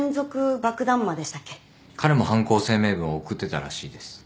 彼も犯行声明文を送ってたらしいです。